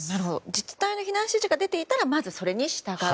自治体の避難指示が出ていたらそれに従う。